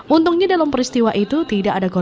untungnya dalam peristiwa itu tidak ada korban